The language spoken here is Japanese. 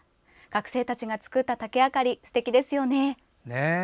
学生たちが作った竹あかりすてきですよね。